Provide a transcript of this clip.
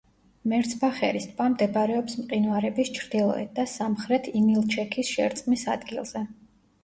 მერცბახერის ტბა მდებარეობს მყინვარების ჩრდილოეთ და სამხრეთ ინილჩექის შერწყმის ადგილზე.